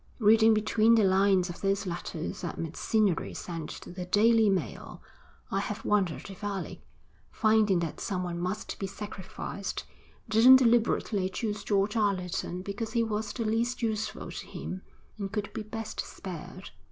Reading between the lines of those letters that Macinnery sent to the Daily Mail, I have wondered if Alec, finding that someone must be sacrificed, didn't deliberately choose George Allerton because he was the least useful to him and could be best spared.